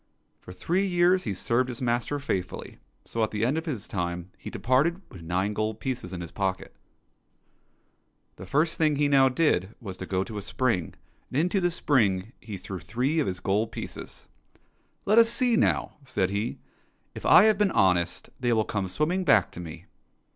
For three years he served his master faithfully, so, at the end of his time, he departed with nine gold pieces in his pocket. The first thing he now did was to go to a spring, and into this spring he threw three of his gold pieces. '' Let us see now," said he, " if I have been honest, they will come swimming back to me."